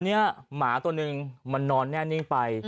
เนี่ยหมาตัวหนึ่งมันนอนแน่นิ่งไป